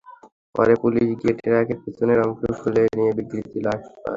পরে পুলিশ গিয়ে ট্রাকের পেছনের অংশ খুলে অনেক বিকৃত লাশ পায়।